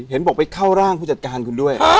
เห็นบอกไปเข้าร่างผู้จัดการคุณด้วย